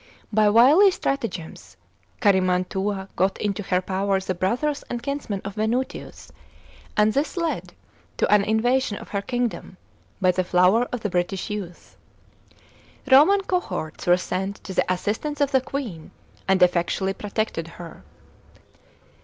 By wily stratagems Cartiman<lua got into her power the brothers and kinsmen of Veuutius, and this led to * Furneaux, Tacitus, vol. ii. p. 142. 59 61 A.D. CAMALODUNUM. 267 an invasion of her kingdom by the flower of the British youth. Roman cohorts were sent to the assistance of the Queen, and effectually protected her.